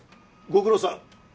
ご苦労さん。